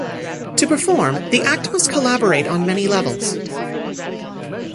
To perform, the act must collaborate on many levels.